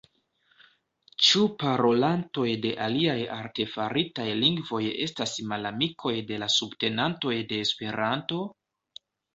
Ĉu parolantoj de aliaj artefaritaj lingvoj estas malamikoj de la subtenantoj de Esperanto?